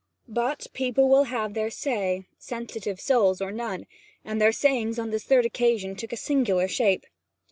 But people will have their say, sensitive souls or none, and their sayings on this third occasion took a singular shape.